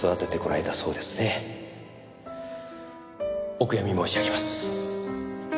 お悔やみ申し上げます。